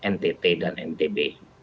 ntt dan ntb